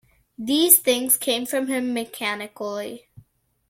These things came from him mechanically.